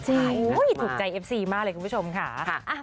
ใช่ถูกใจเอฟซีมากเลยคุณผู้ชมค่ะ